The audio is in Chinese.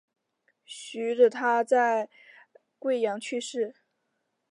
徐的在桂阳去世。